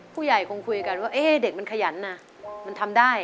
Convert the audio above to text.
ผู้ใหญ่คงคุยกันว่าเด็กมันขยันนะมันทำได้